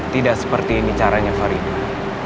tidak seperti ini caranya faridya